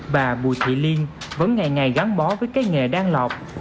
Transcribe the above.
bà bùi thị liên vẫn ngày ngày gắn bó với cái nghề đang lọc